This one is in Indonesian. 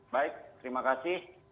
baik terima kasih